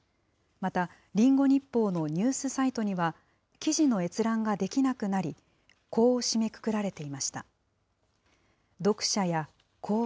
また、リンゴ日報のニュースサイトには、記事の閲覧ができなくなり、こう締めくくられていました。